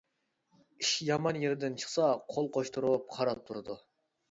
ئىش يامان يېرىدىن چىقسا قول قوشتۇرۇپ قاراپ تۇرىدۇ.